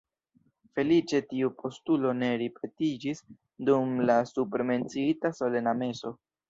Feliĉe tiu postulo ne ripetiĝis dum la supre menciita solena meso.